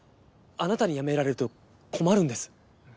あなたにやめられると困るんです。